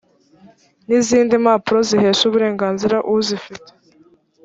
n izindi mpapuro zihesha uburenganzira uzifite